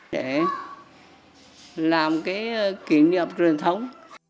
để làm cái kỷ niệm truyền thống